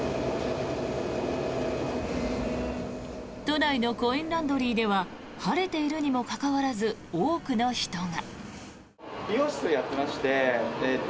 都内のコインランドリーでは晴れているにもかかわらず多くの人が。